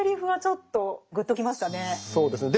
そうですね。